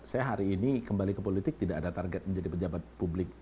saya hari ini kembali ke politik tidak ada target menjadi pejabat publik